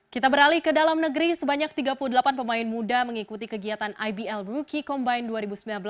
kita beralih ke dalam negeri sebanyak tiga puluh delapan pemain muda mengikuti kegiatan ibl brookie combine dua ribu sembilan belas